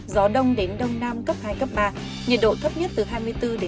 gió đông đến đông nam cấp hai ba nhiệt độ thấp nhất từ hai mươi bốn hai mươi bảy độ